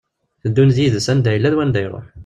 Tteddun d yid-s anda yella d wanda iruḥ.